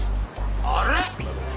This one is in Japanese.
あれ？